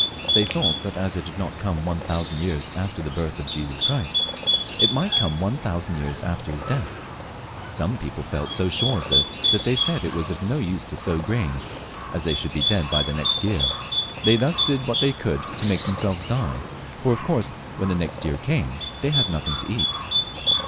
They thought that as it had not come one thousand years aft^r the birth of Jesus Christ, it might come one thousand years after His death. Some people felt so sure of this, that they said it was of no use to sow corn, as they should be dead by the next year. They thus did what they could to make themselves die, for of course when the next year came, they had nothing to eat.